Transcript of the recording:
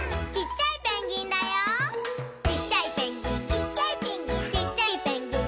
「ちっちゃいペンギン」